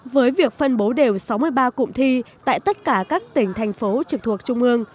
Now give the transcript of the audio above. với việc phân bố đều sáu mươi ba cụm thi tại tất cả các tỉnh thành phố trực thuộc trung ương